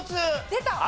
出た！